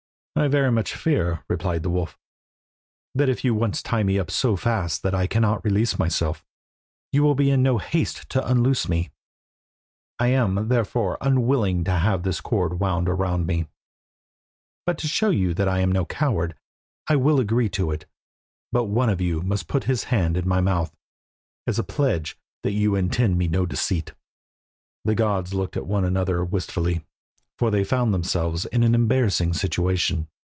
"I very much fear," replied the wolf, "that if you once tie me up so fast that I cannot release myself, you will be in no haste to unloose me. I am, therefore, unwilling to have this cord wound around me; but to show you I am no coward, I will agree to it, but one of you must put his hand in my mouth, as a pledge that you intend me no deceit." The gods looked on one another wistfully, for they found themselves in an embarrassing position.